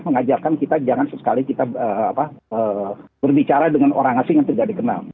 mengajarkan kita jangan sesekali kita berbicara dengan orang asing yang tidak dikenal